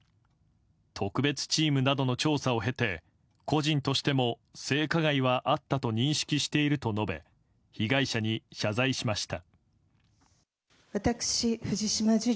特別チームなどの調査を経て個人としても性加害はあったと認識していると述べ被害者に謝罪しました。